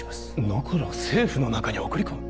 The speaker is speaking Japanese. ノコルを政府の中に送り込む？